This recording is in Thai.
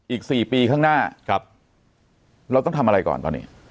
อีก๔ปีข้างหน้าเราต้องทำอะไรก่อนตอนนี้